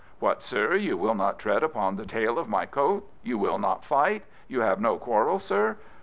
What, sir, you will not tread upon the tail of my coat? You will not fight? You have no quarrel, sir?